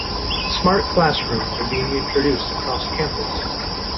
Smart classrooms are being introduced across the campus.